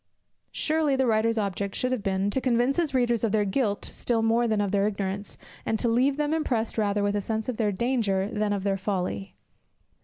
Surely the writer's object should have been, to convince his readers of their guilt still more than of their ignorance, and to leave them impressed rather with a sense of their danger than of their folly.